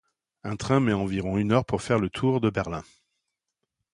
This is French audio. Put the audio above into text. Un train met environ une heure pour faire le tour de Berlin.